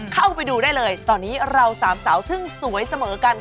เข้าไปดูได้เลยตอนนี้เราสามสาวถึงสวยเสมอกัน